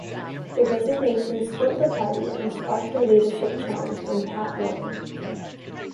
The resignation split the party and sparked a leadership challenge from Pat Morton.